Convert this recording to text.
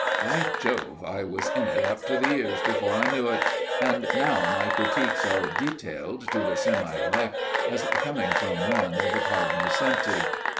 By Jove! I was in it up to the ears before I knew it, and now my critiques are retailed to the semi elect as coming from one of the Cognoscenti.